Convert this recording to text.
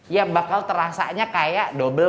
ya akan terasa seperti